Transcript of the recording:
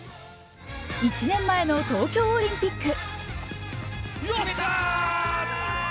１年前の東京オリンピック。